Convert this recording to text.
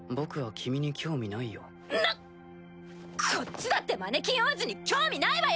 こっちだってマネキン王子に興味ないわよ！